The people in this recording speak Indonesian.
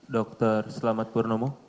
dokter selamat purnomo